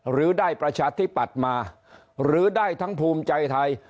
หรือได้ประชาธิปัตย์มาหรือได้ทั้งภูมิใจไทย